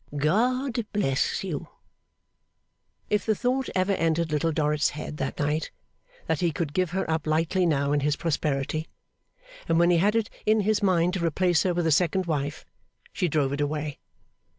God bless you!' If the thought ever entered Little Dorrit's head that night, that he could give her up lightly now in his prosperity, and when he had it in his mind to replace her with a second wife, she drove it away.